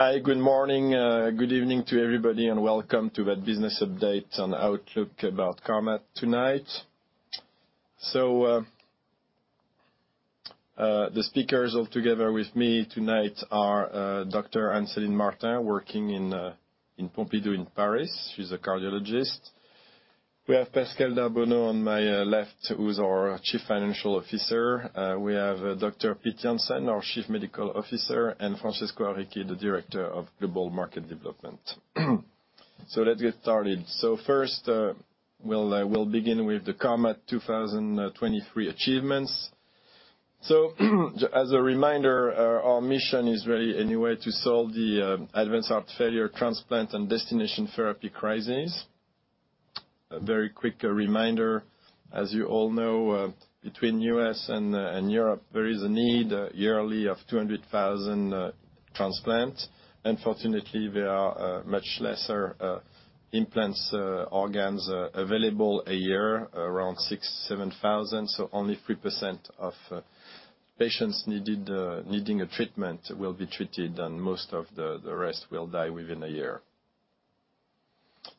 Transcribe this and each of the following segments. Hi, good morning, good evening to everybody, and welcome to that business update and outlook about Carmat tonight. So, the speakers all together with me tonight are, Dr. Anne-Céline Martin, working in, in Pompidou, in Paris. She's a cardiologist. We have Pascale d'Arbonneau on my, left, who's our Chief Financial Officer. We have Dr. Piet Jansen, our Chief Medical Officer, and Francesco Arecchi, the Director of Global Market Development. So let's get started. So first, we'll begin with the Carmat 2023 achievements. So as a reminder, our mission is really, anyway, to solve the, advanced heart failure, transplant, and destination therapy crisis. A very quick reminder, as you all know, between U.S. and Europe, there is a need yearly of 200,000, transplant. Unfortunately, there are much lesser implants, organs available a year, around 6,000-7,000, so only 3% of patients needing a treatment will be treated, and most of the rest will die within a year.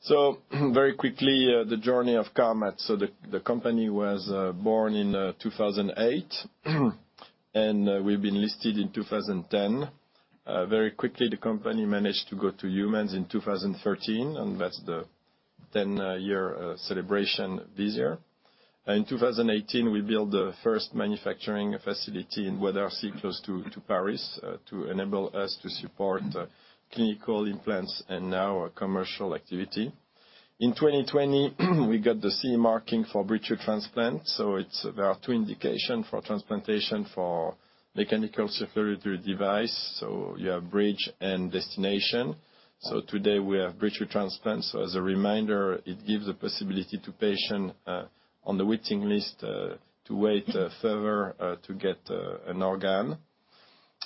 So very quickly, the journey of Carmat. So the company was born in 2008, and we've been listed in 2010. Very quickly, the company managed to go to humans in 2013, and that's the 10-year celebration this year. In 2018, we built the first manufacturing facility in Bois-d'Arcy, close to Paris, to enable us to support clinical implants and now our commercial activity. In 2020, we got the CE marking for bridge transplant, so there are two indication for transplantation for mechanical circulatory device, so you have bridge and destination. So today, we have bridge transplant. So as a reminder, it gives a possibility to patient on the waiting list to wait further to get an organ.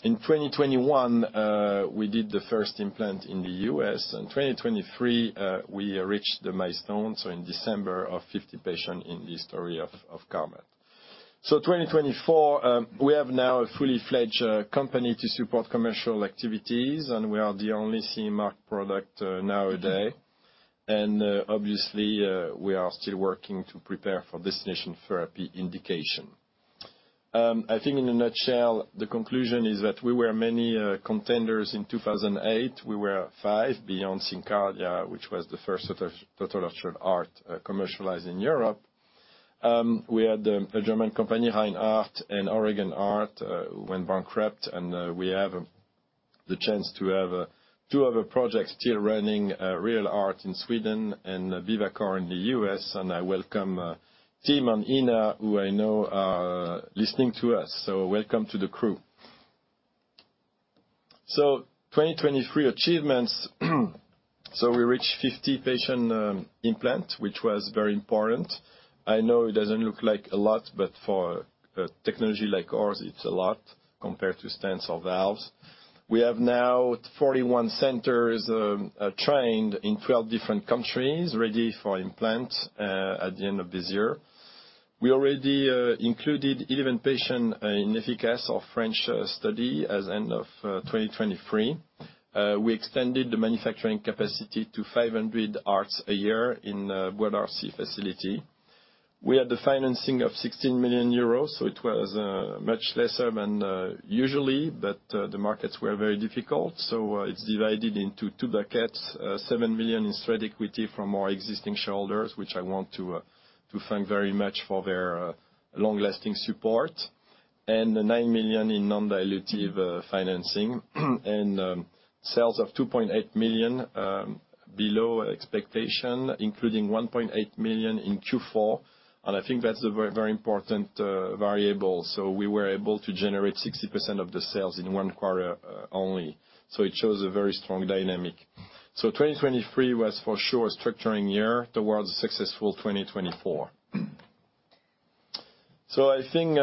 In 2021, we did the first implant in the U.S. In 2023, we reached the milestone, so in December, of 50 patient in the history of Carmat. So 2024, we have now a fully-fledged company to support commercial activities, and we are the only CE mark product nowadays. And obviously, we are still working to prepare for destination therapy indication. I think in a nutshell, the conclusion is that we were many contenders in 2008. We were five, beyond SynCardia, which was the first total artificial heart commercialized in Europe. We had a German company, ReinHeart, and Oregon Heart, went bankrupt, and we have the chance to have two other projects still running, RealHeart in Sweden and BiVACOR in the U.S. And I welcome Tim and Ina, who I know are listening to us, so welcome to the crew. 2023 achievements. So we reached 50 patient implant, which was very important. I know it doesn't look like a lot, but for a technology like ours, it's a lot compared to stents or valves. We have now 41 centers trained in 12 different countries, ready for implant at the end of this year. We already included 11 patients in EFICAS, our French study, as end of 2023. We extended the manufacturing capacity to 500 hearts a year in Bois-d'Arcy facility. We had the financing of 16 million euros, so it was much less than usual, but the markets were very difficult, so it's divided into two buckets. 7 million in sweat equity from our existing shareholders, which I want to thank very much for their long-lasting support, and 9 million in non-dilutive financing. Sales of 2.8 million below expectation, including 1.8 million in Q4, and I think that's a very, very important variable. So we were able to generate 60% of the sales in one quarter, only. So it shows a very strong dynamic. So 2023 was for sure a structuring year towards a successful 2024. So I think,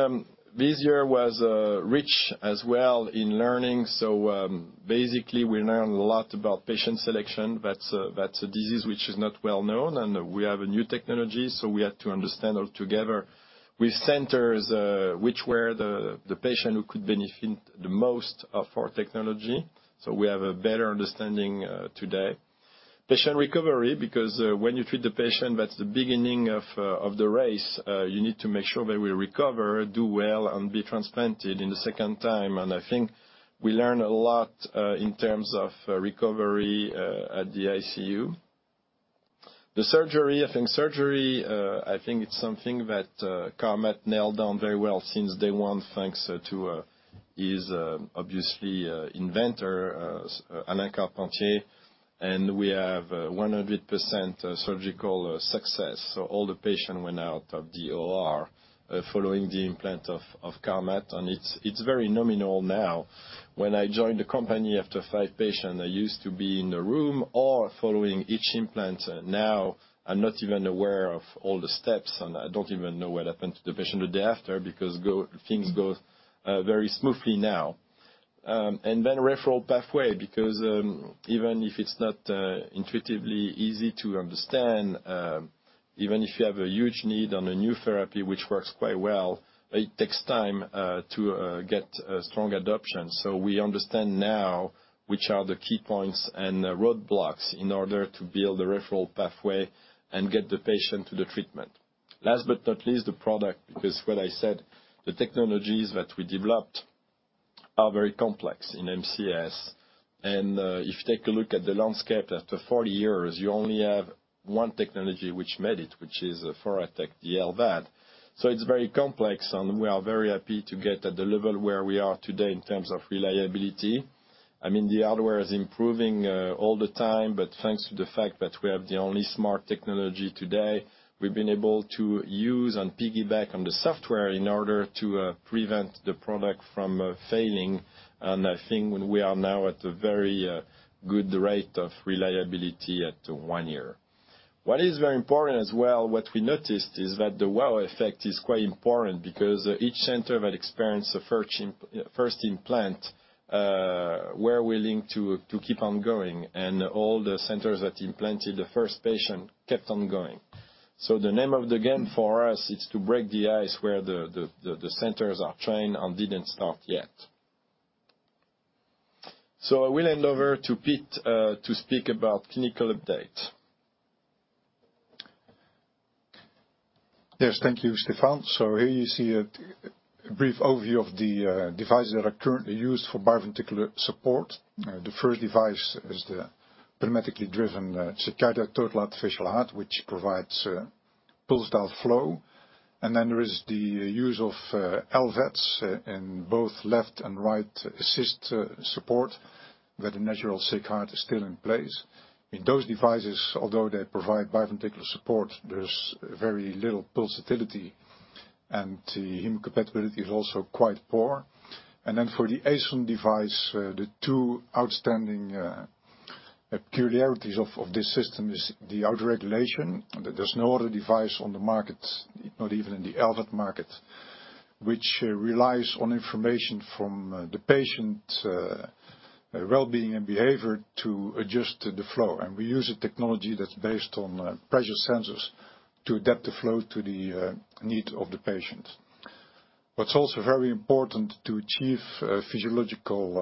this year was, rich as well in learning, so, basically, we learned a lot about patient selection. That's a, that's a disease which is not well known, and we have a new technology, so we had to understand all together with centers, which were the, the patient who could benefit the most of our technology. So we have a better understanding, today. Patient recovery, because, when you treat the patient, that's the beginning of, of the race. You need to make sure they will recover, do well, and be transplanted in the second time. I think we learned a lot in terms of recovery at the ICU. The surgery I think it's something that Carmat nailed down very well since day one, thanks to his obviously inventor Alain Carpentier, and we have 100% surgical success. So all the patients went out of the OR following the implant of Carmat, and it's very normal now. When I joined the company after five patients, I used to be in the room or following each implant. Now, I'm not even aware of all the steps, and I don't even know what happened to the patient the day after, because things go very smoothly now. And then referral pathway, because even if it's not intuitively easy to understand... Even if you have a huge need on a new therapy, which works quite well, it takes time to get strong adoption. So we understand now which are the key points and the roadblocks in order to build a referral pathway and get the patient to the treatment. Last but not least, the product, because what I said, the technologies that we developed are very complex in MCS. And if you take a look at the landscape, after 40 years, you only have one technology which made it, which is Thoratec, the LVAD. So it's very complex, and we are very happy to get at the level where we are today in terms of reliability. I mean, the hardware is improving all the time, but thanks to the fact that we have the only smart technology today, we've been able to use and piggyback on the software in order to prevent the product from failing. And I think we are now at a very good rate of reliability at one year. What is very important as well, what we noticed, is that the wow effect is quite important because each center that experienced the first imp- first implant were willing to keep on going, and all the centers that implanted the first patient kept on going. So the name of the game for us is to break the ice where the centers are trying and didn't start yet. So I will hand over to Piet to speak about clinical update. Yes, thank you, Stéphane. So here you see a brief overview of the devices that are currently used for biventricular support. The first device is the pneumatically driven SynCardia total artificial heart, which provides pulsed outflow. And then there is the use of LVADs in both left and right assist support, where the natural sick heart is still in place. In those devices, although they provide biventricular support, there's very little pulsatility, and the hemocompatibility is also quite poor. And then for the Aeson device, the two outstanding peculiarities of this system is the autoregulation. There's no other device on the market, not even in the LVAD market, which relies on information from the patient well-being and behavior to adjust the flow. We use a technology that's based on pressure sensors to adapt the flow to the needs of the patient. What's also very important to achieve physiological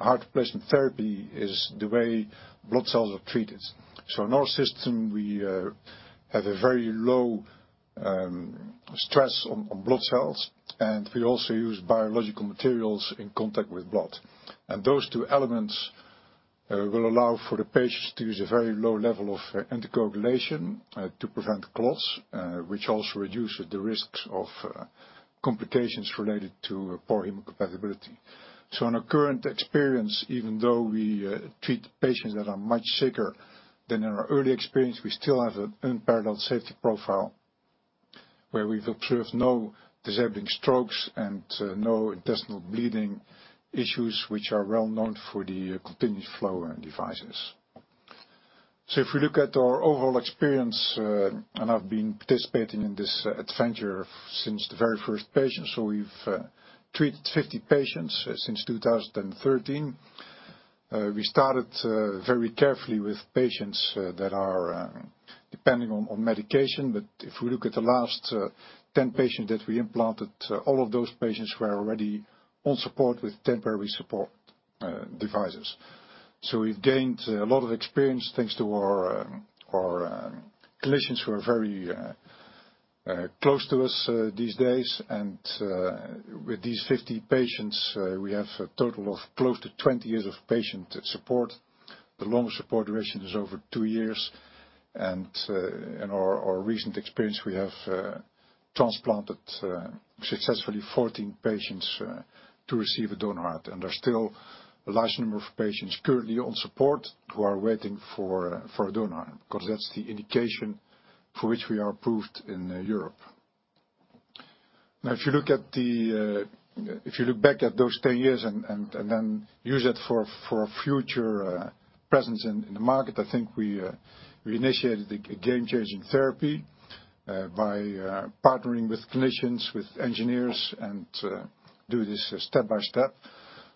heart replacement therapy is the way blood cells are treated. In our system, we have a very low stress on blood cells, and we also use biological materials in contact with blood. Those two elements will allow for the patients to use a very low level of anticoagulation to prevent clots, which also reduces the risks of complications related to poor hemocompatibility. So in our current experience, even though we treat patients that are much sicker than in our early experience, we still have an unparalleled safety profile, where we've observed no disabling strokes and no intestinal bleeding issues, which are well known for the continued flow devices. So if we look at our overall experience, and I've been participating in this adventure since the very first patient, so we've treated 50 patients since 2013. We started very carefully with patients that are depending on medication. But if we look at the last 10 patients that we implanted, all of those patients were already on support with temporary support devices. So we've gained a lot of experience thanks to our clinicians, who are very close to us these days. With these 50 patients, we have a total of close to 20 years of patient support. The longest support duration is over 2 years. In our recent experience, we have transplanted successfully 14 patients to receive a donor heart. There are still a large number of patients currently on support who are waiting for a donor heart, because that's the indication for which we are approved in Europe. Now, if you look back at those 10 years and then use it for future presence in the market, I think we initiated a game-changing therapy by partnering with clinicians, with engineers, and do this step by step.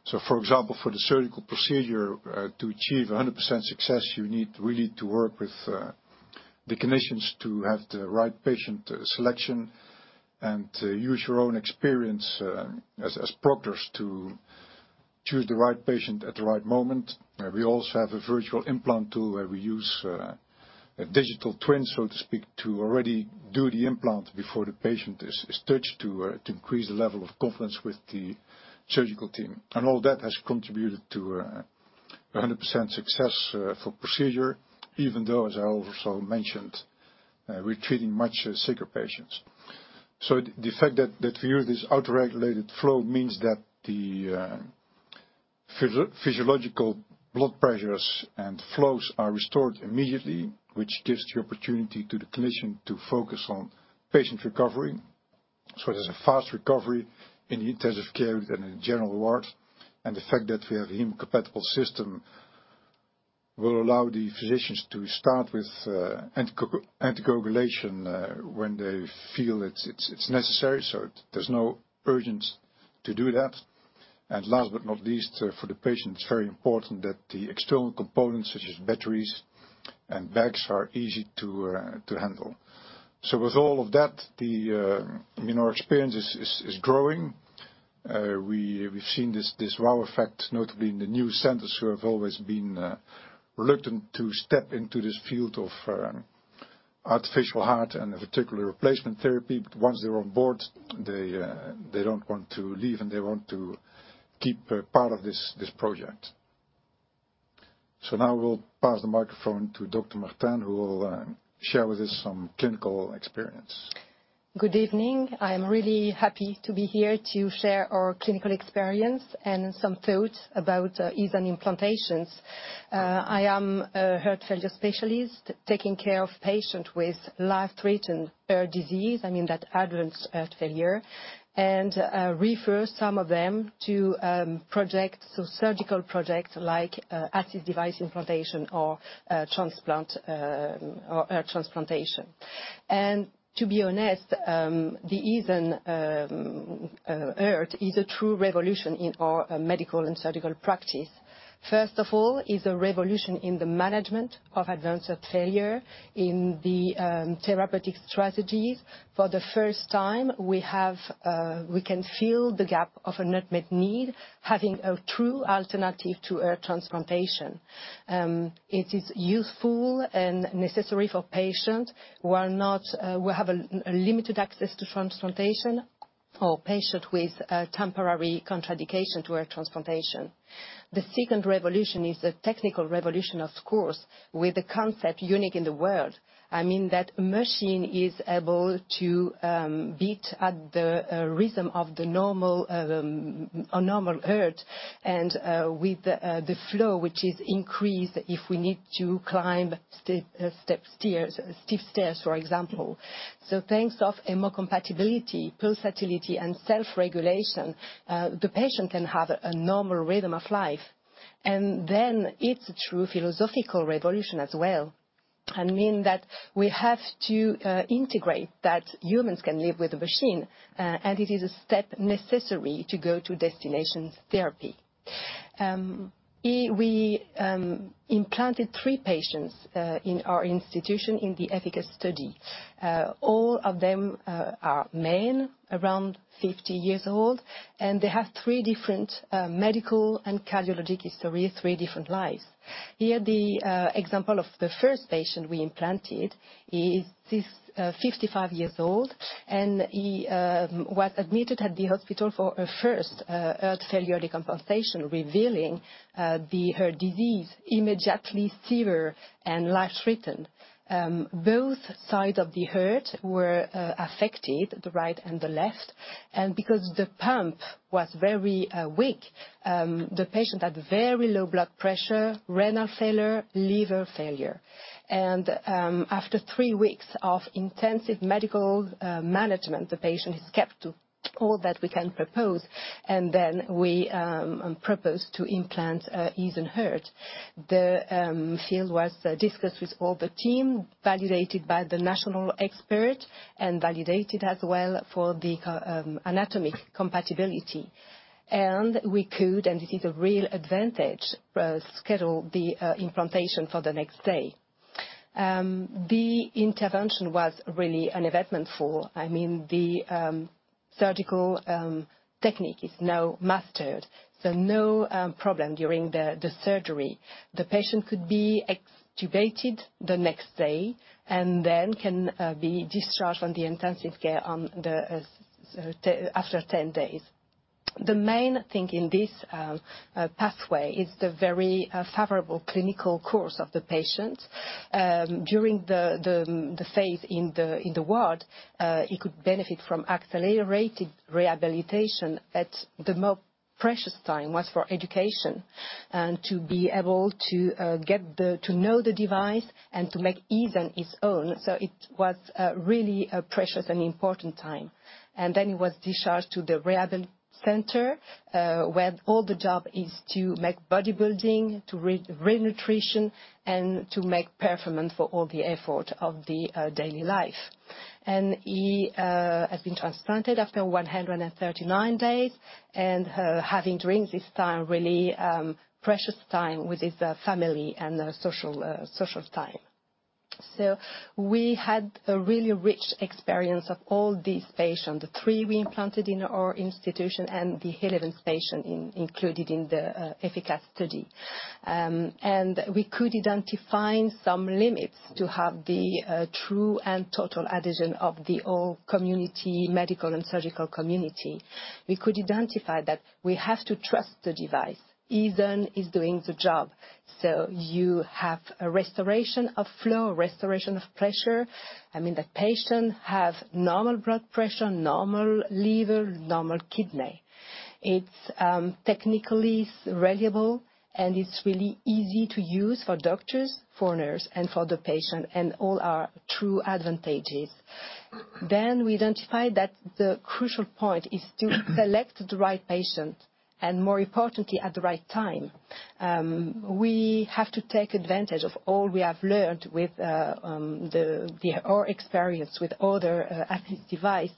So, for example, for the surgical procedure, to achieve 100% success, you need really to work with the clinicians to have the right patient selection and use your own experience as proctors to choose the right patient at the right moment. We also have a virtual implant tool, where we use a digital twin, so to speak, to already do the implant before the patient is touched, to increase the level of confidence with the surgical team. All that has contributed to 100% success for procedure, even though, as I also mentioned, we're treating much sicker patients. The fact that we use this autoregulated flow means that the physiological blood pressures and flows are restored immediately, which gives the opportunity to the clinician to focus on patient recovery. There's a fast recovery in intensive care and in general ward, and the fact that we have hemocompatible system will allow the physicians to start with anticoagulation when they feel it's necessary, so there's no urgency to do that. Last but not least, for the patient, it's very important that the external components, such as batteries and bags, are easy to handle. With all of that, I mean, our experience is growing. We've seen this wow effect, notably in the new centers who have always been reluctant to step into this field of artificial heart and, in particular, replacement therapy. But once they're on board, they don't want to leave, and they want to keep part of this project. So now we'll pass the microphone to Dr. Martin, who will share with us some clinical experience. Good evening. I am really happy to be here to share our clinical experience and some thoughts about Aeson implantations. I am a heart failure specialist, taking care of patient with life-threatening disease, I mean, that advanced heart failure, and refer some of them to projects, so surgical projects like active device implantation or transplant or transplantation. And to be honest, the Aeson heart is a true revolution in our medical and surgical practice. First of all, is a revolution in the management of advanced heart failure, in the therapeutic strategies. For the first time, we have we can fill the gap of an unmet need, having a true alternative to heart transplantation. It is useful and necessary for patients who are not who have a limited access to transplantation or patient with a temporary contraindication to heart transplantation. The second revolution is the technical revolution, of course, with a concept unique in the world. I mean, that machine is able to beat at the rhythm of the normal heart and with the flow, which is increased if we need to climb steep stairs, for example. So thanks to hemocompatibility, pulsatility, and self-regulation, the patient can have a normal rhythm of life. And then it's a true philosophical revolution as well, and mean that we have to integrate that humans can live with a machine, and it is a step necessary to go to destination therapy. We implanted three patients in our institution in the EFICAS study. All of them are men, around 50 years old, and they have three different medical and cardiologic history, three different lives. Here, the example of the first patient we implanted is 55 years old, and he was admitted at the hospital for a first heart failure decompensation, revealing the heart disease, exactly severe and life-threatening. Both sides of the heart were affected, the right and the left, and because the pump was very weak, the patient had very low blood pressure, renal failure, liver failure. After three weeks of intensive medical management, the patient is kept to all that we can propose, and then we propose to implant a Aeson heart. The field was discussed with all the team, validated by the national expert and validated as well for the anatomic compatibility. And we could, and this is a real advantage, schedule the implantation for the next day. The intervention was really uneventful. I mean, the surgical technique is now mastered, so no problem during the surgery. The patient could be extubated the next day and then can be discharged from the intensive care after 10 days. The main thing in this pathway is the very favorable clinical course of the patient. During the phase in the ward, he could benefit from accelerated rehabilitation and the most precious time was for education and to be able to get to know the device and to make Aeson his own. So it was really a precious and important time. And then he was discharged to the rehab center, where all the job is to make bodybuilding, to renutrition, and to make performance for all the effort of the daily life. And he has been transplanted after 139 days, and having during this time really precious time with his family and the social time. So we had a really rich experience of all these patients, the three we implanted in our institution and the eleventh patient included in the EFICAS study. And we could identify some limits to have the true and total adhesion of the whole community, medical and surgical community. We could identify that we have to trust the device. Aeson is doing the job, so you have a restoration of flow, restoration of pressure. I mean, the patient have normal blood pressure, normal liver, normal kidney. It's technically reliable, and it's really easy to use for doctors, for nurse, and for the patient, and all are true advantages. Then we identified that the crucial point is to select the right patient and, more importantly, at the right time. We have to take advantage of all we have learned with our experience with other active device,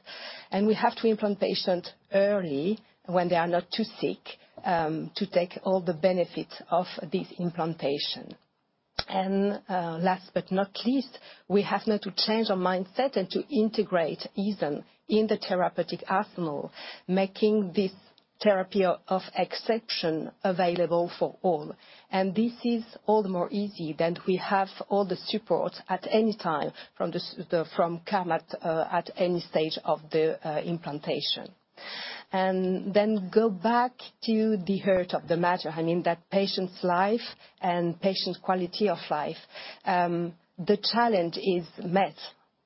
and we have to implant patient early, when they are not too sick, to take all the benefits of this implantation. Last but not least, we have now to change our mindset and to integrate Aeson in the therapeutic arsenal, making this therapy of exception available for all. This is all the more easy, that we have all the support at any time from the, from Carmat, at any stage of the implantation. Then go back to the heart of the matter, I mean, that patient's life and patient's quality of life. The challenge is met.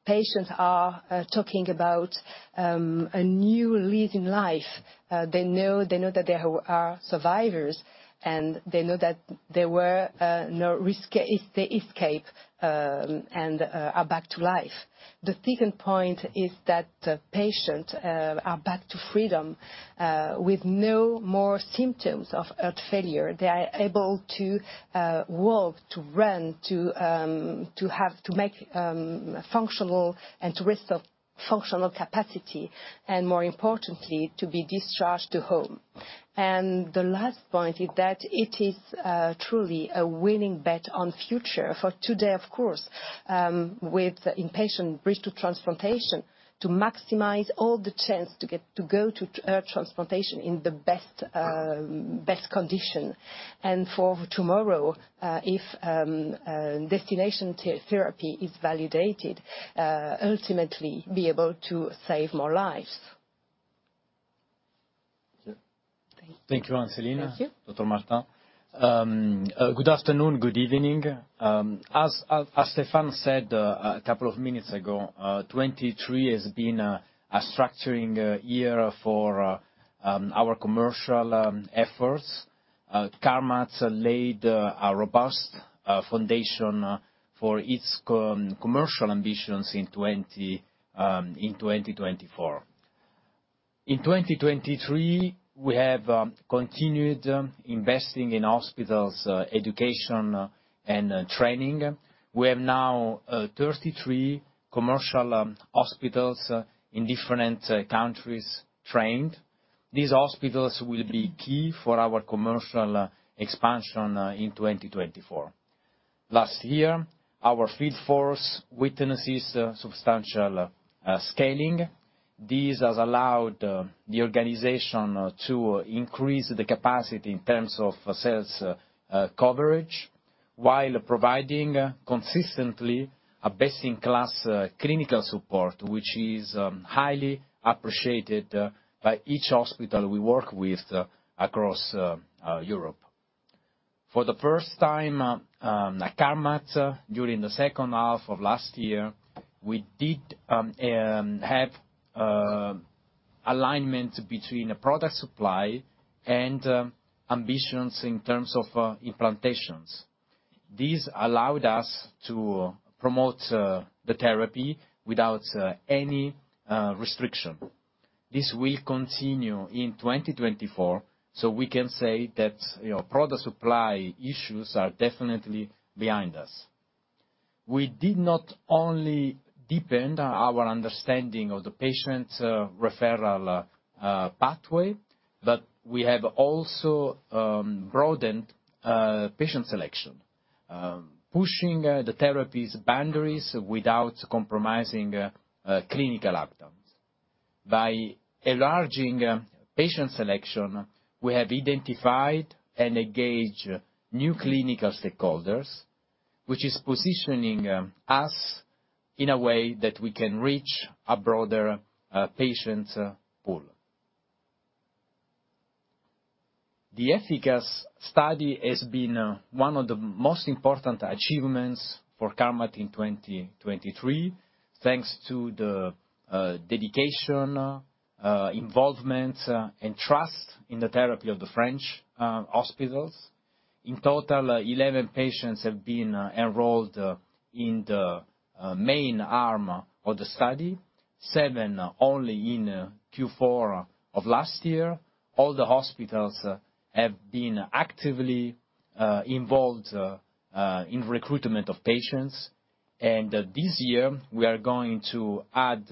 Patients are talking about a new lease in life. They know, they know that they are survivors, and they know that they were no risk they escape, and are back to life. The second point is that the patient are back to freedom, with no more symptoms of heart failure. They are able to walk, to run, to have, to make functional and to restore functional capacity, and more importantly, to be discharged to home. And the last point is that it is truly a winning bet on future. For today, of course, with inpatient bridge to transplantation, to maximize all the chance to go to transplantation in the best best condition. And for tomorrow, if destination therapy is validated, ultimately be able to save more lives. Thank you. Thank you, Anne-Céline. Thank you. Dr. Martin. Good afternoon, good evening. As Stéphane said a couple of minutes ago, 2023 has been a structuring year for our commercial efforts. Carmat laid a robust foundation for its commercial ambitions in 2024. In 2023, we have continued investing in hospitals, education, and training. We have now 33 commercial hospitals in different countries trained. These hospitals will be key for our commercial expansion in 2024. Last year, our field force witnesses substantial scaling. This has allowed the organization to increase the capacity in terms of sales coverage, while providing consistently a best-in-class clinical support, which is highly appreciated by each hospital we work with across Europe. For the first time, at Carmat, during the second half of last year, we did have alignment between the product supply and ambitions in terms of implantations. This allowed us to promote the therapy without any restriction. This will continue in 2024, so we can say that, you know, product supply issues are definitely behind us. We did not only deepen our understanding of the patient referral pathway, but we have also broadened patient selection. Pushing the therapies boundaries without compromising clinical outcomes. By enlarging patient selection, we have identified and engaged new clinical stakeholders, which is positioning us in a way that we can reach a broader patient pool. The EFICAS study has been one of the most important achievements for Carmat in 2023, thanks to the dedication, involvement, and trust in the therapy of the French hospitals. In total, 11 patients have been enrolled in the main arm of the study, 7 only in Q4 of last year. All the hospitals have been actively involved in recruitment of patients. And this year, we are going to add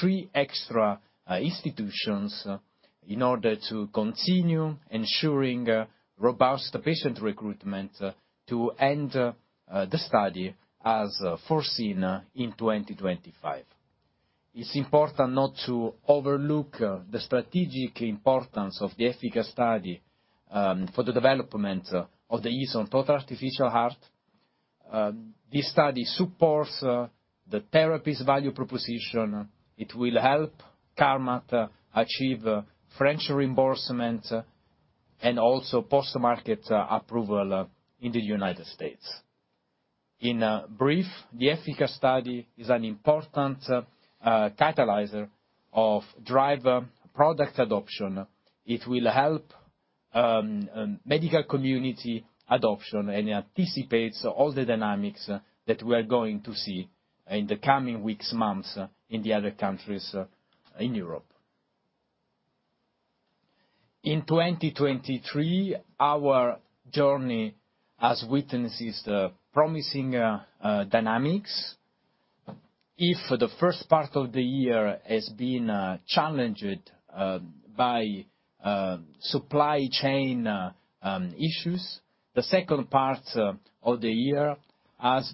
three extra institutions, in order to continue ensuring robust patient recruitment to end the study as foreseen in 2025. It's important not to overlook the strategic importance of the EFICAS study for the development of the Aeson total artificial heart. This study supports the therapy's value proposition. It will help Carmat achieve French reimbursement, and also post-market approval in the United States. In brief, the EFICAS study is an important catalyst or driver product adoption. It will help medical community adoption, and anticipates all the dynamics that we are going to see in the coming weeks, months, in the other countries, in Europe. In 2023, our journey has witnessed this promising dynamics. If the first part of the year has been challenged by supply chain issues, the second part of the year has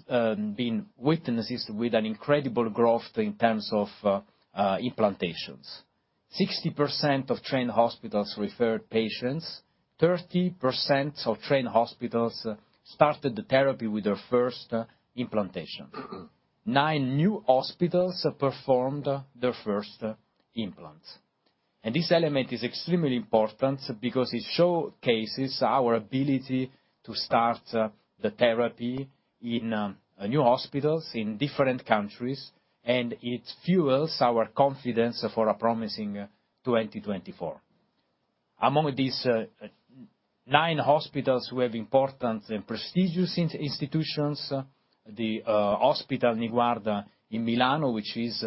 witnessed an incredible growth in terms of implantations. 60% of trained hospitals referred patients, 30% of trained hospitals started the therapy with their first implantation. 9 new hospitals performed their first implant. And this element is extremely important because it showcases our ability to start the therapy in new hospitals in different countries, and it fuels our confidence for a promising 2024. Among these nine hospitals, we have important and prestigious institutions. The hospital Niguarda in Milan, which is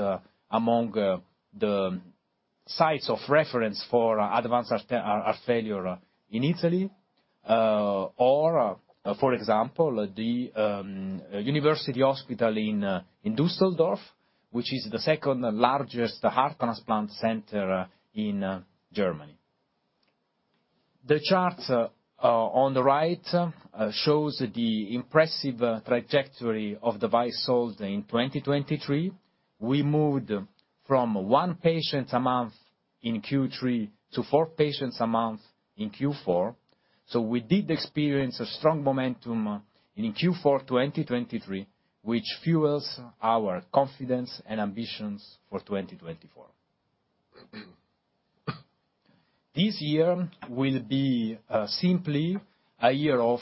among the sites of reference for advanced heart failure in Italy. Or, for example, the University Hospital Düsseldorf, which is the second-largest heart transplant center in Germany. The chart on the right shows the impressive trajectory of devices sold in 2023. We moved from one patient a month in Q3 to four patients a month in Q4, so we did experience a strong momentum in Q4 2023, which fuels our confidence and ambitions for 2024. This year will be simply a year of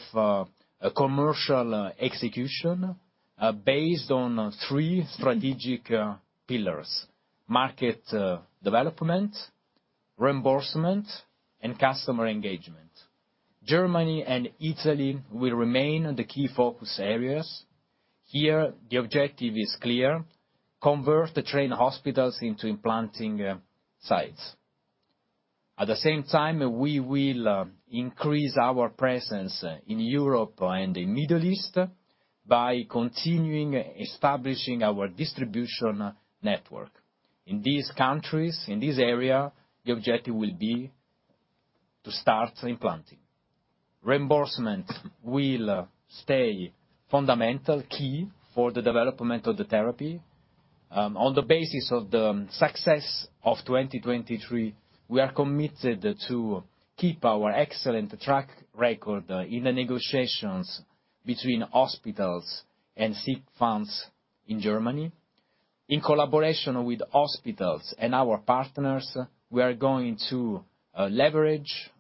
commercial execution based on three strategic pillars: market development, reimbursement, and customer engagement. Germany and Italy will remain the key focus areas. Here, the objective is clear: convert the trained hospitals into implanting sites. At the same time, we will increase our presence in Europe and the Middle East by continuing establishing our distribution network. In these countries, in this area, the objective will be to start implanting. Reimbursement will stay fundamental key for the development of the therapy. On the basis of the success of 2023, we are committed to keep our excellent track record in the negotiations between hospitals and sick funds in Germany. In collaboration with hospitals and our partners, we are going to leverage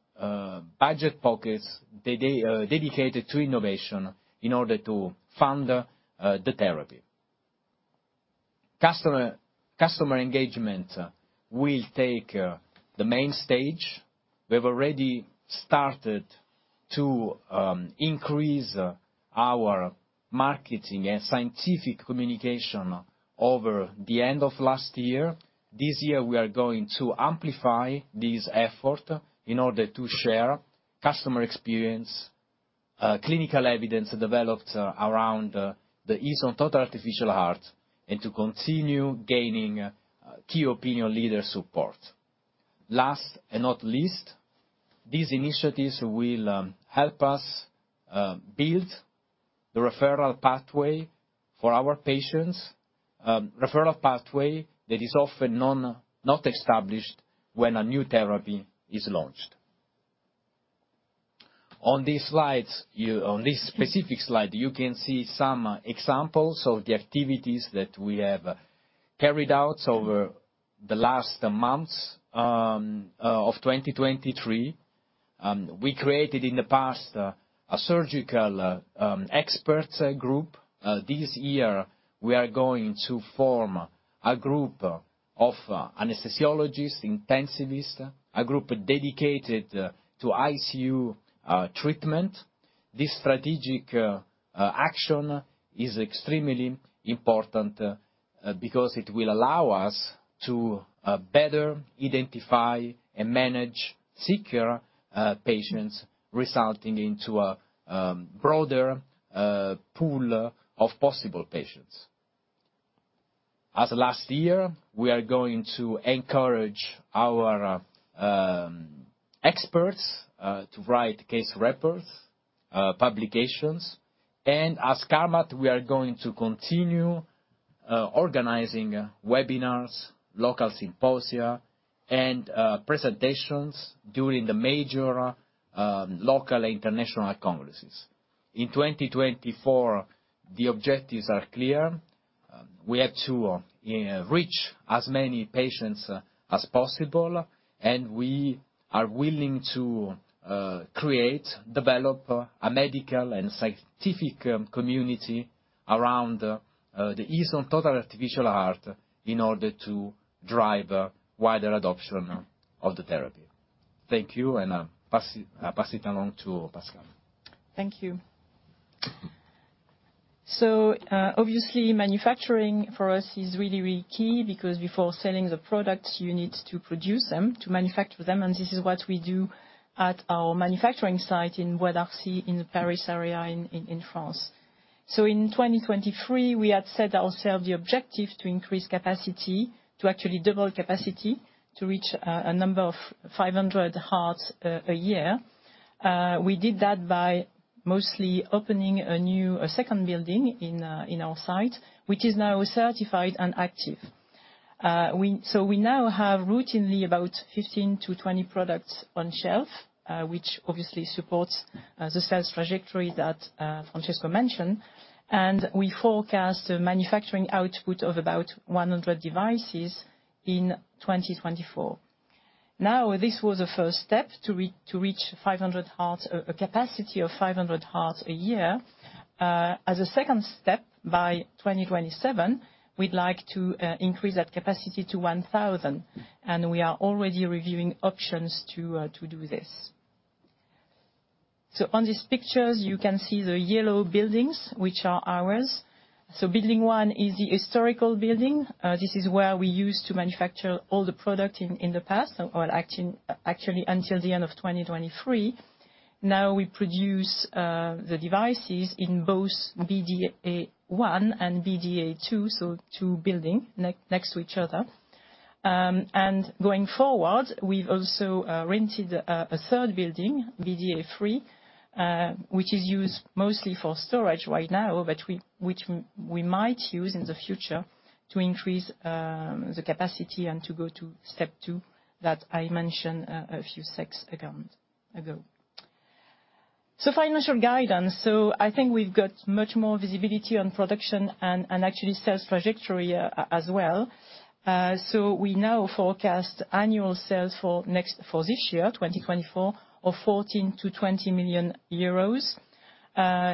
budget pockets dedicated to innovation in order to fund the therapy. Customer engagement will take the main stage. We've already started to increase our marketing and scientific communication over the end of last year. This year, we are going to amplify this effort in order to share customer experience, clinical evidence developed around the Aeson total artificial heart, and to continue gaining key opinion leader support. Last and not least, these initiatives will help us build the referral pathway for our patients, referral pathway that is often not established when a new therapy is launched. On this specific slide, you can see some examples of the activities that we have carried out over the last months of 2023. We created, in the past, a surgical experts group. This year, we are going to form a group of anesthesiologists, intensivists, a group dedicated to ICU treatment. This strategic action is extremely important because it will allow us to better identify and manage sicker patients, resulting into a broader pool of possible patients. As last year, we are going to encourage our experts to write case reports, publications, and as Carmat, we are going to continue organizing webinars, local symposia, and presentations during the major local international congresses. In 2024, the objectives are clear. We have to reach as many patients as possible, and we are willing to create, develop a medical and scientific community around the Aeson total artificial heart in order to drive a wider adoption of the therapy. Thank you, and I'll pass it, I pass it along to Pascale. Thank you. So, obviously, manufacturing for us is really, really key because before selling the products, you need to produce them, to manufacture them, and this is what we do at our manufacturing site in Bois-d'Arcy, in the Paris area, in France. So in 2023, we had set ourselves the objective to increase capacity, to actually double capacity, to reach a number of 500 hearts a year. We did that by mostly opening a second building in our site, which is now certified and active. So we now have routinely about 15-20 products on shelf, which obviously supports the sales trajectory that Francesco mentioned. And we forecast a manufacturing output of about 100 devices in 2024. Now, this was a first step to reach 500 hearts, a capacity of 500 hearts a year. As a second step, by 2027, we'd like to increase that capacity to 1,000, and we are already reviewing options to do this. So on these pictures, you can see the yellow buildings, which are ours. So building one is the historical building. This is where we used to manufacture all the product in the past, or actually, until the end of 2023. Now, we produce the devices in both BDA 1 and BDA 2, so two buildings next to each other. And going forward, we've also rented a third building, BDA 3, which is used mostly for storage right now, but which we might use in the future to increase the capacity and to go to step two, that I mentioned a few secs ago. So financial guidance. So I think we've got much more visibility on production and actually sales trajectory as well. So we now forecast annual sales for this year, 2024, of 14 million-20 million euros.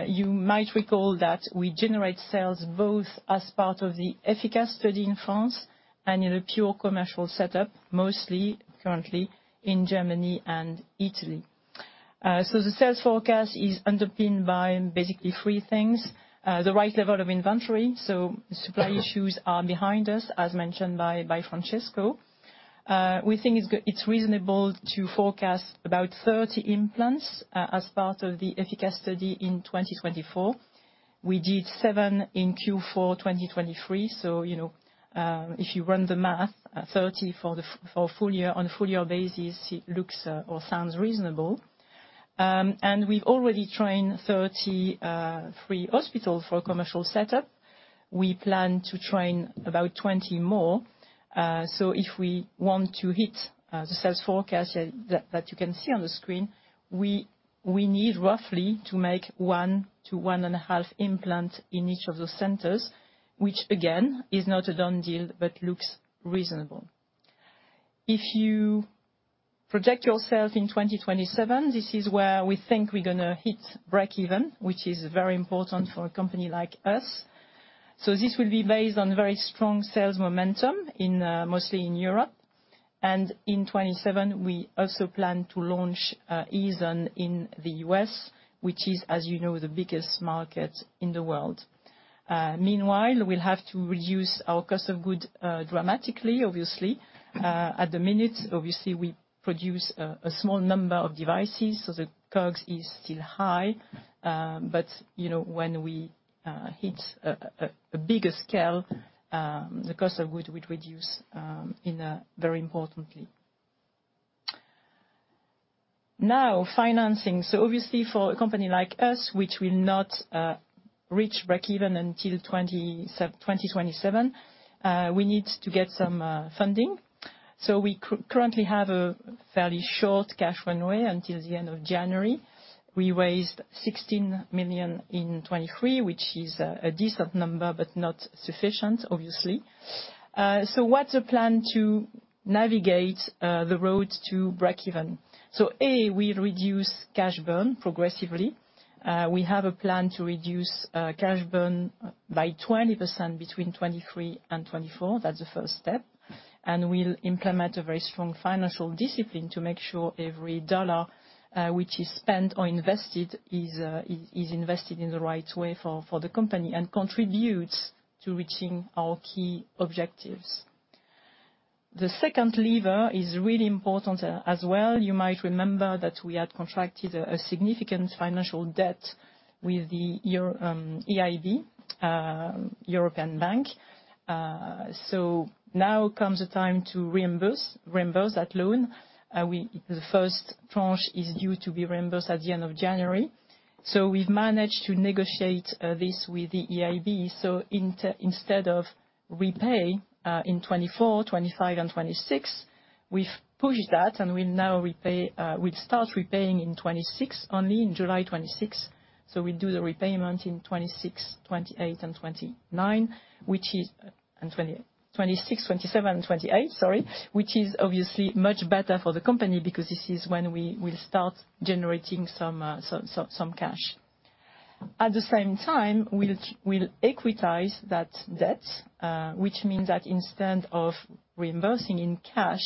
You might recall that we generate sales both as part of the EFICAS study in France and in a pure commercial setup, mostly currently in Germany and Italy. So the sales forecast is underpinned by basically three things. The right level of inventory, so supply issues are behind us, as mentioned by Francesco. We think it's reasonable to forecast about 30 implants as part of the EFICAS study in 2024. We did seven in Q4 2023, so, you know, if you run the math, 30 for the full year, on a full year basis, it looks or sounds reasonable. And we've already trained 33 hospitals for commercial setup. We plan to train about 20 more. So if we want to hit the sales forecast that you can see on the screen, we need roughly to make 1-1.5 implant in each of those centers, which, again, is not a done deal, but looks reasonable. If you project your sales in 2027, this is where we think we're gonna hit breakeven, which is very important for a company like us. So this will be based on very strong sales momentum in, mostly in Europe. And in 2027, we also plan to launch, Aeson in the U.S., which is, as you know, the biggest market in the world. Meanwhile, we'll have to reduce our cost of goods, dramatically, obviously. At the minute, obviously, we produce a small number of devices, so the COGS is still high, but, you know, when we, hit a bigger scale, the cost of goods would reduce, in a very importantly. Now, financing. So obviously, for a company like us, which will not, reach breakeven until 2027, we need to get some, funding. So we currently have a fairly short cash runway until the end of January. We raised 16 million in 2023, which is a decent number, but not sufficient, obviously. So what's the plan to navigate the road to breakeven? So, A, we reduce cash burn progressively. We have a plan to reduce cash burn by 20% between 2023 and 2024. That's the first step. And we'll implement a very strong financial discipline to make sure every dollar which is spent or invested is invested in the right way for the company and contributes to reaching our key objectives. The second lever is really important as well. You might remember that we had contracted a significant financial debt with the EIB, European Investment Bank. So now comes the time to reimburse that loan. The first tranche is due to be reimbursed at the end of January. So we've managed to negotiate this with the EIB. So instead of repay in 2024, 2025 and 2026, we've pushed that, and we'll now repay, we'll start repaying in 2026, only in July 2026. So we do the repayment in 2026, 2028 and 2029, and 2026, 2027 and 2028, sorry, which is obviously much better for the company, because this is when we will start generating some cash. At the same time, we'll equitize that debt, which means that instead of reimbursing in cash,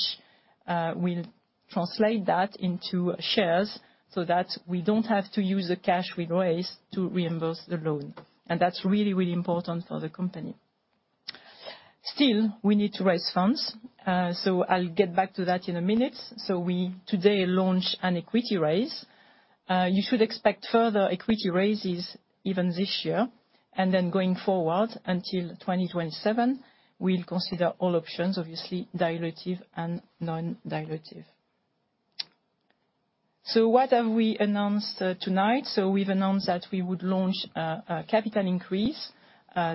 we'll translate that into shares so that we don't have to use the cash we raised to reimburse the loan. That's really, really important for the company. Still, we need to raise funds, so I'll get back to that in a minute. So we today launch an equity raise. You should expect further equity raises even this year, and then going forward until 2027, we'll consider all options, obviously, dilutive and non-dilutive. So what have we announced tonight? So we've announced that we would launch a capital increase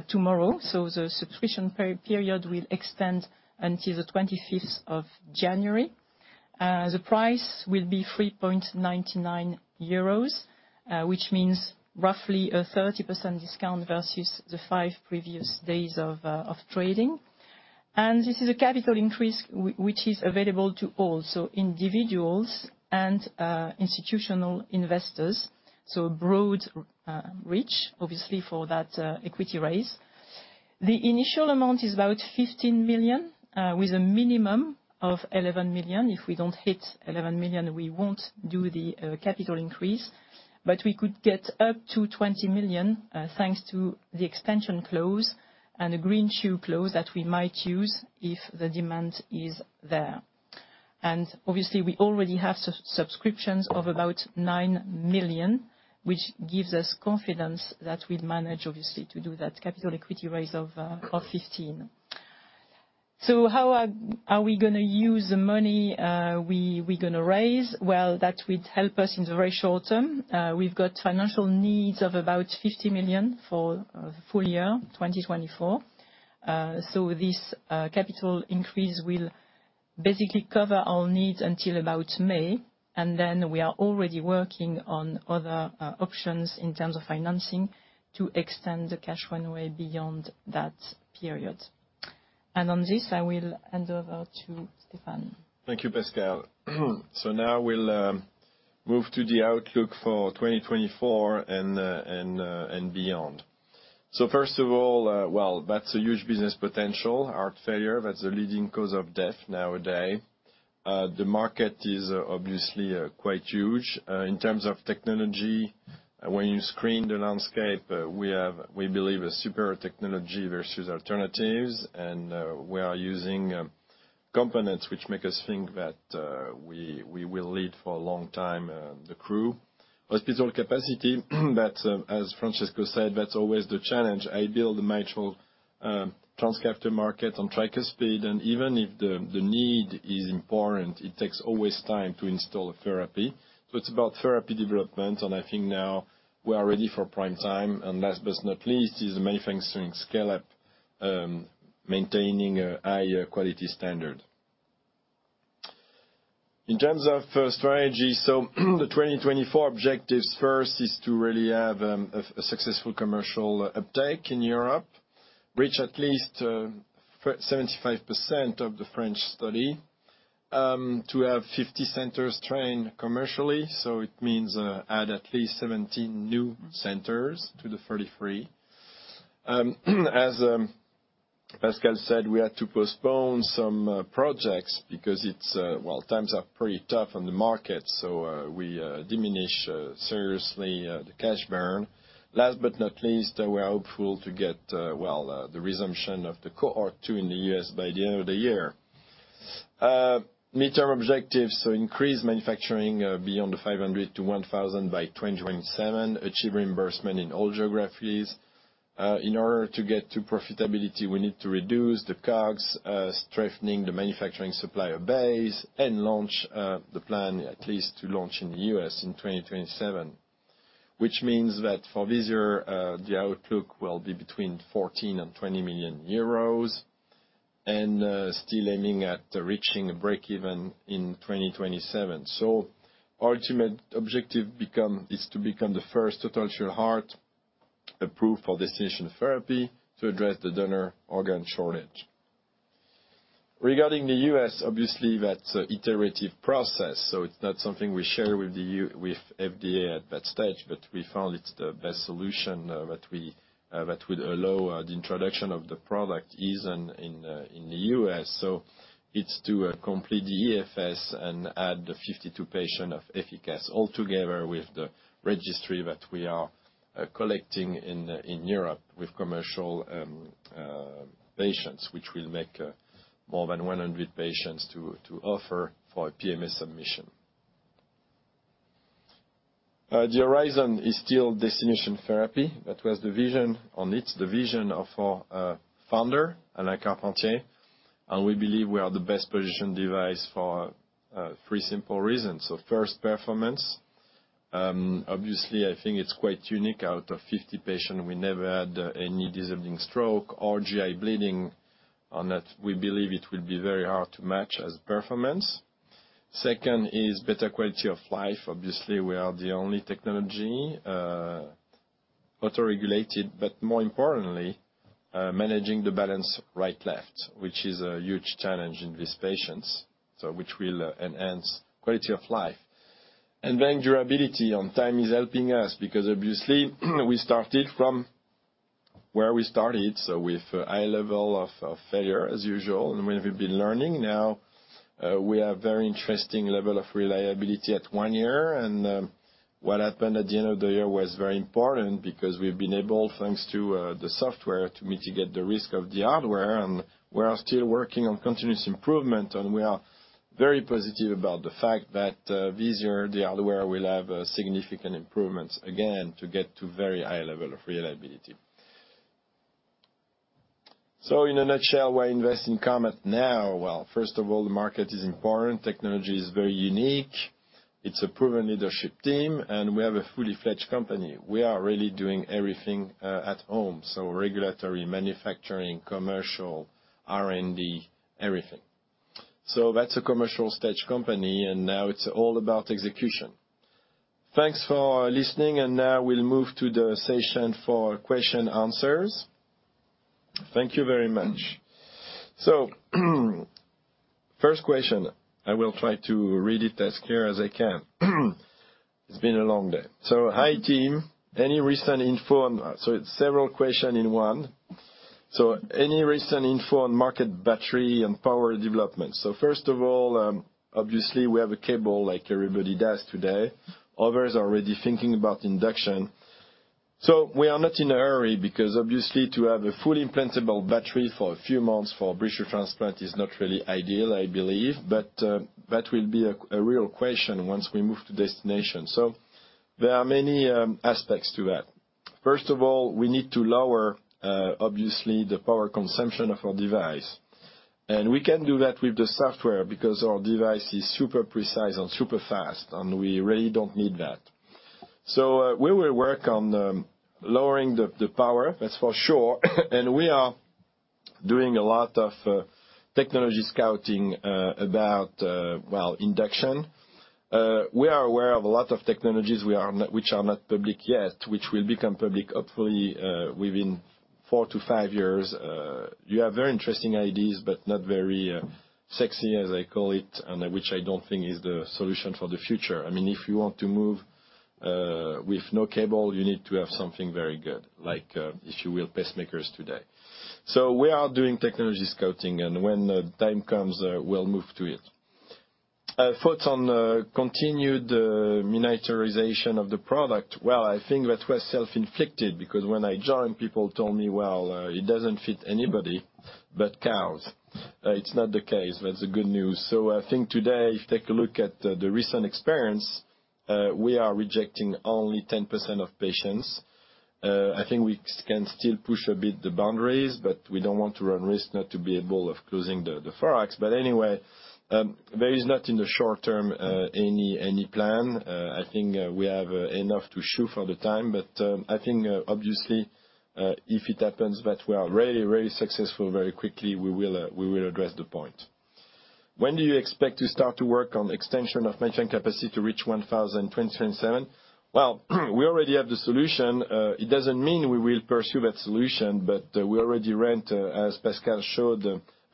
tomorrow, so the subscription period will extend until the 25th of January. The price will be 3.99 euros, which means roughly a 30% discount versus the 5 previous days of trading. And this is a capital increase which is available to all, so individuals and institutional investors, so broad reach, obviously, for that equity raise. The initial amount is about 15 million, with a minimum of 11 million. If we don't hit 11 million, we won't do the capital increase, but we could get up to 20 million, thanks to the expansion clause and a green shoe clause that we might use if the demand is there. And obviously, we already have subscriptions of about 9 million, which gives us confidence that we'll manage, obviously, to do that capital equity raise of 15 million. So how are we gonna use the money we're gonna raise? Well, that would help us in the very short term. We've got financial needs of about 50 million for full year 2024. So this capital increase will basically cover our needs until about May, and then we are already working on other options in terms of financing to extend the cash runway beyond that period. On this, I will hand over to Stéphane. Thank you, Pascale. Now we'll move to the outlook for 2024 and beyond. First of all, well, that's a huge business potential. Heart failure, that's the leading cause of death nowadays. The market is obviously quite huge. In terms of technology, when you screen the landscape, we have, we believe, a superior technology versus alternatives, and we are using components which make us think that we will lead for a long time the curve. Hospital capacity, that, as Francesco said, that's always the challenge. I build mitral transcatheter market on TAVR speed, and even if the need is important, it takes always time to install a therapy. It's about therapy development, and I think now we are ready for prime time. Last but not least, is the manufacturing scale-up, maintaining a high quality standard. In terms of strategy, so the 2024 objectives, first is to really have a successful commercial uptake in Europe, reach at least 75% of the French study, to have 50 centers trained commercially, so it means add at least 17 new centers to the 33. As Pascale said, we had to postpone some projects because it's well, times are pretty tough on the market, so we diminish seriously the cash burn. Last but not least, we are hopeful to get well the resumption of the cohort 2 in the U.S. by the end of the year. Midterm objectives, so increase manufacturing beyond the 500 to 1,000 by 2027, achieve reimbursement in all geographies. In order to get to profitability, we need to reduce the COGS, strengthening the manufacturing supplier base, and launch the plan at least to launch in the U.S. in 2027, which means that for this year, the outlook will be between 14 million and 20 million euros, and still aiming at reaching a break even in 2027. So ultimate objective is to become the first total artificial heart approved for destination therapy to address the donor organ shortage. Regarding the U.S., obviously, that's an iterative process, so it's not something we share with the FDA at that stage, but we found it's the best solution that would allow the introduction of the product even in the U.S. So it's to complete the EFS and add the 52 patients of EFICAS altogether with the registry that we are collecting in Europe with commercial patients, which will make more than 100 patients to offer for a PMA submission. The horizon is still destination therapy. That was the vision on it, the vision of our founder, Alain Carpentier, and we believe we are the best-positioned device for three simple reasons. So first, performance. Obviously, I think it's quite unique. Out of 50 patients, we never had any disabling stroke or GI bleeding. On that, we believe it will be very hard to match as performance. Second is better quality of life. Obviously, we are the only technology autoregulated, but more importantly, managing the balance right, left, which is a huge challenge in these patients, so which will enhance quality of life. And then durability on time is helping us because, obviously, we started from where we started, so with a high level of failure, as usual, and we have been learning. Now we have very interesting level of reliability at one year, and what happened at the end of the year was very important because we've been able, thanks to the software, to mitigate the risk of the hardware, and we are still working on continuous improvement. We are very positive about the fact that, this year, the hardware will have, significant improvements again to get to very high level of reliability. So in a nutshell, why invest in Carmat now? Well, first of all, the market is important, technology is very unique. It's a proven leadership team, and we have a fully fledged company. We are really doing everything, at home, so regulatory, manufacturing, commercial, R&D, everything. So that's a commercial-stage company, and now it's all about execution. Thanks for listening, and now we'll move to the session for questions and answers. Thank you very much. So first question, I will try to read it as clear as I can. It's been a long day. So, "Hi, team. Any recent info on..." So it's several questions in one. So any recent info on market, battery, and power development?" So first of all, obviously, we have a cable, like everybody does today. Others are already thinking about induction. So we are not in a hurry because, obviously, to have a fully implantable battery for a few months for a bridge to transplant is not really ideal, I believe. But that will be a real question once we move to destination. So there are many aspects to that. First of all, we need to lower, obviously, the power consumption of our device, and we can do that with the software because our device is super precise and super fast, and we really don't need that. So we will work on lowering the power, that's for sure. And we are doing a lot of technology scouting about well, induction. We are aware of a lot of technologies we are not, which are not public yet, which will become public, hopefully, within 4-5 years. You have very interesting ideas, but not very sexy, as I call it, and which I don't think is the solution for the future. I mean, if you want to move with no cable, you need to have something very good, like, if you will, pacemakers today. So we are doing technology scouting, and when the time comes, we'll move to it. Thoughts on continued miniaturization of the product. Well, I think that was self-inflicted, because when I joined, people told me, "Well, it doesn't fit anybody but cows." It's not the case. That's the good news. So I think today, if you take a look at the recent experience, we are rejecting only 10% of patients. I think we can still push a bit the boundaries, but we don't want to run risk not to be able of closing the thorax. But anyway, there is not, in the short term, any plan. I think we have enough to chew for the time, but I think obviously, if it happens that we are really, really successful very quickly, we will address the point. "When do you expect to start to work on extension of manufacturing capacity to reach 1,000, 2027?" Well, we already have the solution. It doesn't mean we will pursue that solution, but we already rent, as Pascale showed,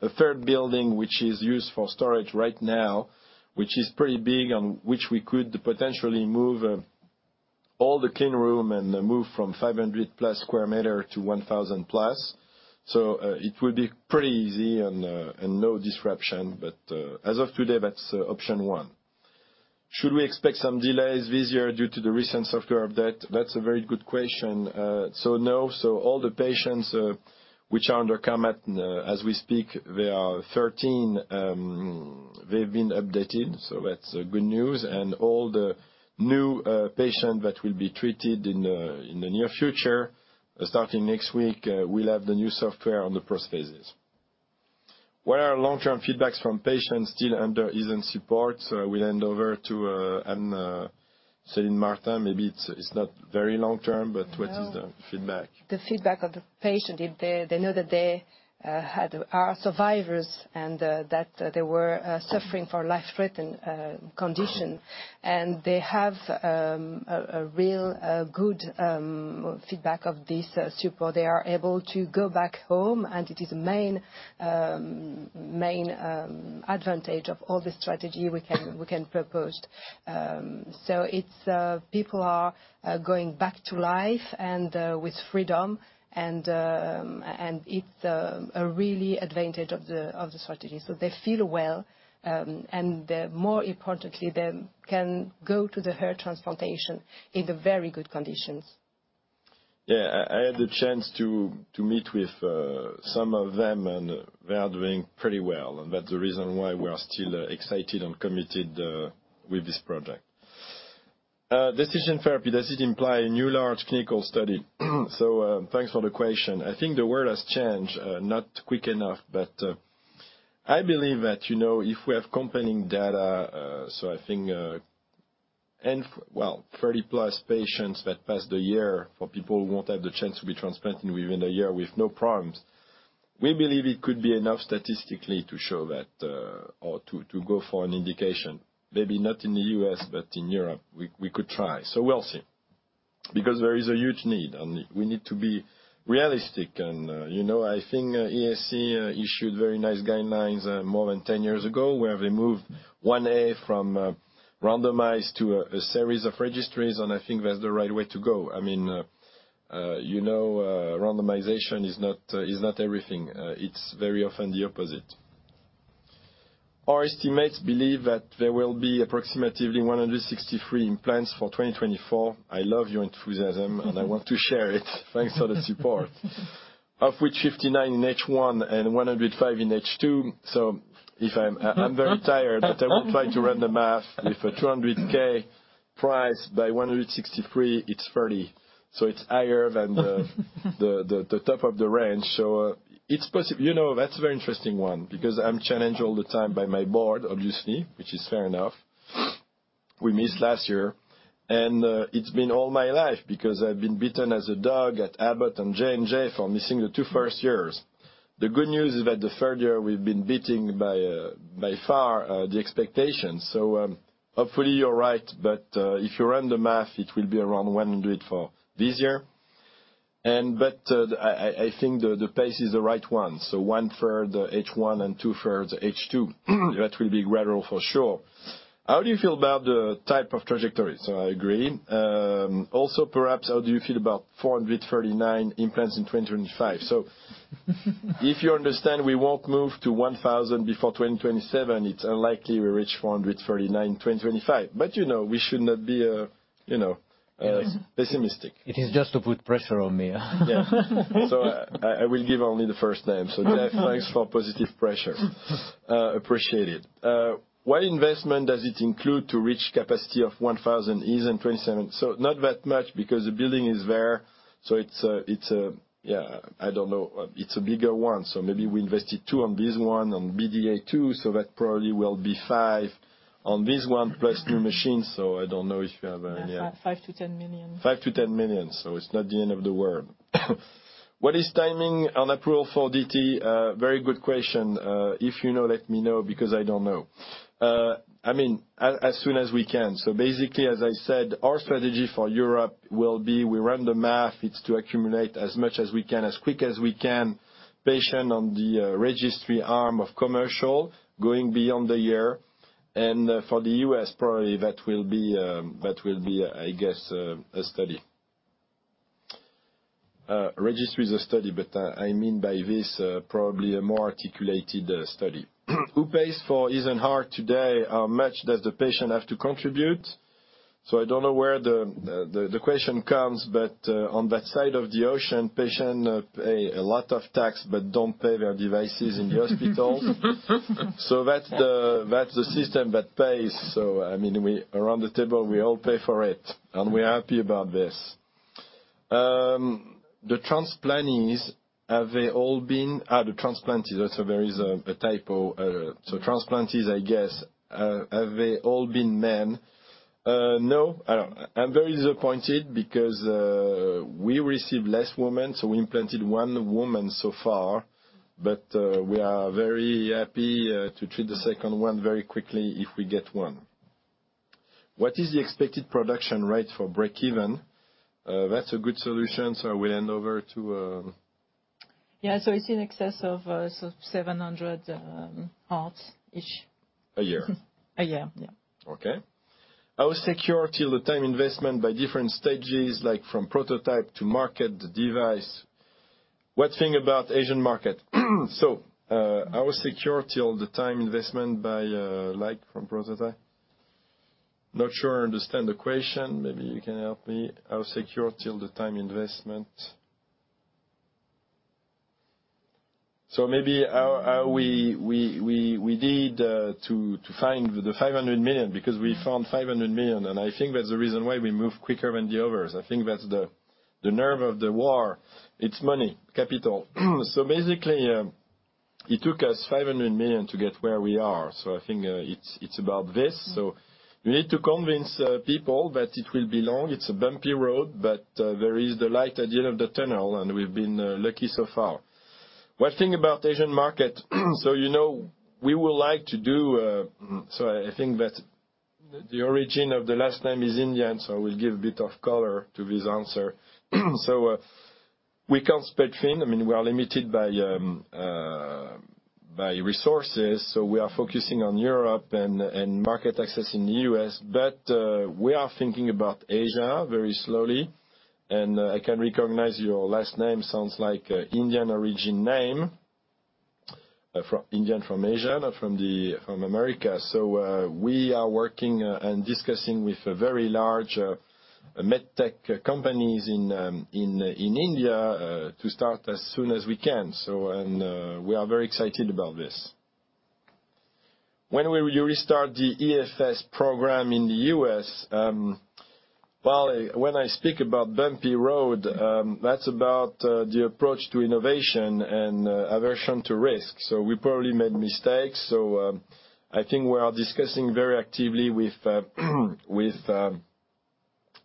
a third building, which is used for storage right now, which is pretty big, and which we could potentially move all the clean room and move from 500+ sq m to 1,000+. So it would be pretty easy and no disruption. But as of today, that's option one. "Should we expect some delays this year due to the recent software update?" That's a very good question. So no. So all the patients which are under Carmat as we speak, they are 13, they've been updated, so that's good news. All the new patient that will be treated in the near future, starting next week, will have the new software on the prosthesis. "What are long-term feedbacks from patients still under Aeson support?" So we'll hand over to Céline Martin. Maybe it's not very long term, but what is the feedback? No, the feedback of the patient is they know that they are survivors, and that they were suffering for life-threatening condition. And they have a real good feedback of this support. They are able to go back home, and it is main advantage of all the strategy we can propose. So it's... People are going back to life and with freedom, and and it's a really advantage of the strategy. So they feel well, and more importantly, they can go to the heart transplantation in the very good conditions. Yeah, I had the chance to meet with some of them, and they are doing pretty well, and that's the reason why we are still excited and committed with this project. "Destination therapy, does it imply a new large clinical study?" So, thanks for the question. I think the world has changed, not quick enough, but I believe that, you know, if we have compelling data, so I think, well, 30-plus patients that pass the year, for people who won't have the chance to be transplanted within a year with no problems, we believe it could be enough statistically to show that, or to go for an indication. Maybe not in the U.S., but in Europe, we could try. So we'll see. Because there is a huge need, and we need to be realistic, and, you know, I think, ESC issued very nice guidelines, more than 10 years ago, where they moved 1a from, randomized to a series of registries, and I think that's the right way to go. I mean, you know, randomization is not, is not everything. It's very often the opposite. Our estimates believe that there will be approximately 163 implants for 2024. I love your enthusiasm, and I want to share it. Thanks for the support. Of which 59 in H1 and 105 in H2. So if I'm very tired, but I will try to run the math. With a 200,000 price by 163, it's 30, so it's higher than the top of the range. So it's possible. You know, that's a very interesting one, because I'm challenged all the time by my board, obviously, which is fair enough. We missed last year, and it's been all my life because I've been beaten as a dog at Abbott and J&J for missing the two first years. The good news is that the third year we've been beating by far the expectations. So, hopefully, you're right, but if you run the math, it will be around 100 for this year. And but I think the pace is the right one. So one-third H1 and two-thirds H2. That will be gradual for sure. How do you feel about the type of trajectory? So I agree. Also, perhaps, how do you feel about 439 implants in 2025? So, if you understand, we won't move to 1,000 before 2027. It's unlikely we reach 439 in 2025, but, you know, we should not be, you know, pessimistic. It is just to put pressure on me. Yes. So I will give only the first name. So, Jeff, thanks for positive pressure. Appreciate it. What investment does it include to reach capacity of 1,000 Es in 2027? So not that much, because the building is there, so it's a, it's a, yeah, I don't know. It's a bigger one, so maybe we invested 2 million on this one, on BDA 2, so that probably will be 5 million on this one, plus new machines, so I don't know if you have any- 5 million-EUR 10 million. 5-10 million, so it's not the end of the world. What is timing on approval for DT? Very good question. If you know, let me know, because I don't know. I mean, as soon as we can. So basically, as I said, our strategy for Europe will be, we run the math. It's to accumulate as much as we can, as quick as we can, patient on the registry arm of commercial going beyond the year, and for the U.S., probably that will be, that will be, I guess, a study. Registry is a study, but I mean by this, probably a more articulated study. Who pays for Aeson heart today? How much does the patient have to contribute? So I don't know where the question comes, but on that side of the ocean, patients pay a lot of tax but don't pay for their devices in the hospitals. So that's the system that pays. So, I mean, around the table, we all pay for it, and we are happy about this. The transplantees, have they all been... The transplanted, so there is a typo. So transplantees, I guess, have they all been men? No. I'm very disappointed because we received less women, so we implanted one woman so far, but we are very happy to treat the second one very quickly if we get one. What is the expected production rate for breakeven? That's a good solution, so I will hand over to Yeah, so it's in excess of, so 700 hearts-ish. A year. A year, yeah. Okay. How secure till the time investment by different stages, like from prototype to market device? What thing about Asian market? So, how secure till the time investment by, like from prototype? Not sure I understand the question. Maybe you can help me. How secure till the time investment... So maybe how we did to find the 500 million, because we found 500 million, and I think that's the reason why we moved quicker than the others. I think that's the nerve of the war. It's money, capital. So basically, it took us 500 million to get where we are, so I think it's about this. So we need to convince people that it will be long. It's a bumpy road, but there is the light at the end of the tunnel, and we've been lucky so far. One thing about Asian market, so you know, we would like to do... So I think that the origin of the last name is Indian, so I will give a bit of color to this answer. So, we can't spread thin. I mean, we are limited by by resources, so we are focusing on Europe and, and market access in the U.S., but we are thinking about Asia very slowly, and I can recognize your last name sounds like Indian origin name, from Indian from Asia, not from the-from America. So, we are working and discussing with a very large medtech companies in India to start as soon as we can, so, and we are very excited about this. When will you restart the EFS program in the U.S.? Well, when I speak about bumpy road, that's about the approach to innovation and aversion to risk, so we probably made mistakes. So, I think we are discussing very actively with the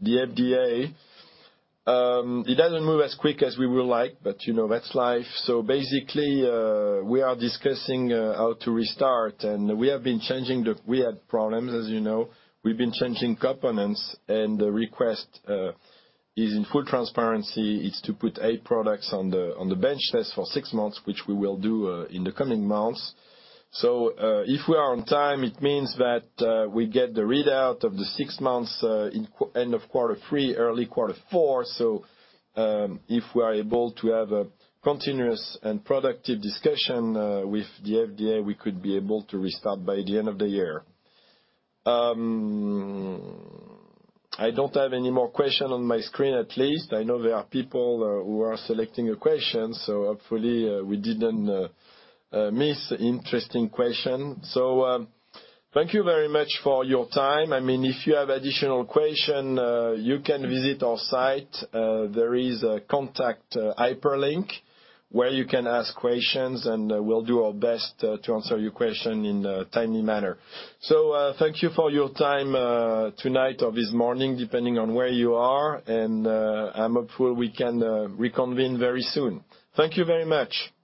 FDA. It doesn't move as quick as we would like, but, you know, that's life. So basically, we are discussing how to restart, and we have been changing. We had problems, as you know. We've been changing components, and the request is in full transparency. It's to put eight products on the, on the bench test for six months, which we will do, in the coming months. So, if we are on time, it means that, we get the readout of the six months, in end of Q3, early Q4. So, if we are able to have a continuous and productive discussion, with the FDA, we could be able to restart by the end of the year. I don't have any more question on my screen, at least. I know there are people, who are selecting a question, so hopefully, we didn't miss interesting question. So, thank you very much for your time. I mean, if you have additional question, you can visit our site. There is a contact hyperlink where you can ask questions, and we'll do our best to answer your question in a timely manner. So, thank you for your time, tonight or this morning, depending on where you are, and I'm hopeful we can reconvene very soon. Thank you very much.